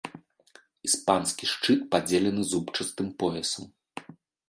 Іспанскі шчыт падзелены зубчастым поясам.